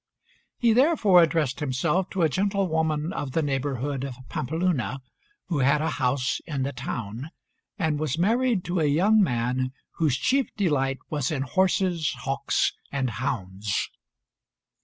He therefore addressed himself to a gentlewoman of the neighbourhood of Pampeluna, who had a house in the town, and was married to a young man whose chief delight was in horses, hawks and hounds.